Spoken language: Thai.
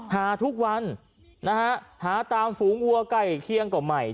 หาทุกวันนะฮะหาตามฝูงวัวใกล้เคียงก็ใหม่